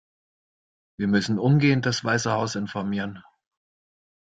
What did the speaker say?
Wir müssen umgehend das Weiße Haus informieren.